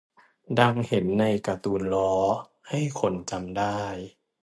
ดังเห็นในการ์ตูนล้อ ให้คนจำได้